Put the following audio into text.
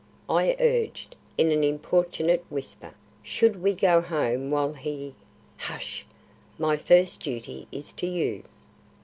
I urged, in an importunate whisper. "Should we go home while he " "Hush! My first duty is to you.